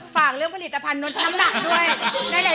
ฝากเรื่องผลิตภัณฑน้ำหนักด้วย